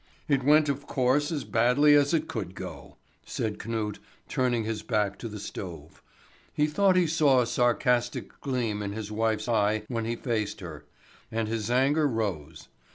"It went of course as badly as it could go," said Knut, turning his back to the stove. He thought he saw a sarcastic gleam in his wife's eye when he faced her, and his anger rose.